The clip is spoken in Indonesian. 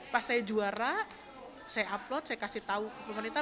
pas saya juara saya upload saya kasih tau pemerintah